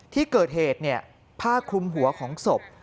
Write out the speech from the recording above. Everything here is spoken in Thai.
ที่เกิดเหตุผ้าคลุมหัวของศพ